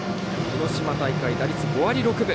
広島大会、打率５割６分。